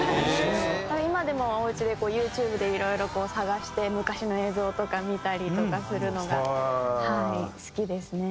今でもおうちでＹｏｕＴｕｂｅでいろいろ探して昔の映像とか見たりとかするのがはい好きですね。